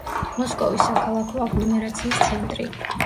მოსკოვის საქალაქო აგლომერაციის ცენტრი.